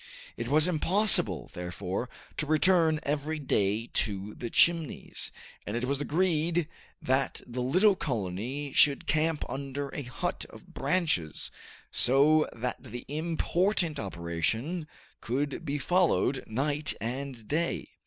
It was impossible, therefore, to return every day to the Chimneys, and it was agreed that the little colony should camp under a hut of branches, so that the important operation could be followed night and day.